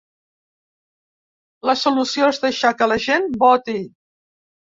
La solució és deixar que la gent voti.